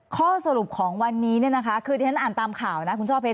ข้อสรุปของวันนี้เนี่ยนะคะคือที่ฉันอ่านตามข่าวนะคุณช่อเพชร